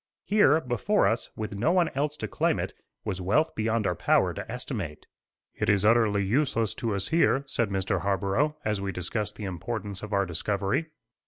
Here, before us, with no one else to claim it, was wealth beyond our power to estimate. "It is utterly useless to us here," said Mr. Harborough, as we discussed the importance of our discovery.